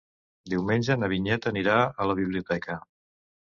Diumenge na Vinyet anirà a la biblioteca.